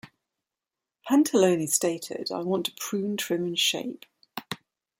Pantalone stated I want to prune, trim and shape.